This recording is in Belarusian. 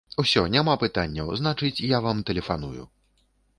Усё, няма пытанняў, значыць, я вам тэлефаную.